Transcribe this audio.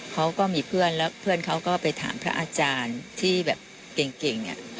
เขาก็มีเพื่อนแล้วเพื่อนเขาก็ไปถามพระอาจารย์ที่แบบเก่งเนี่ย